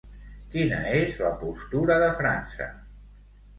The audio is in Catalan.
Quina és la postura de França?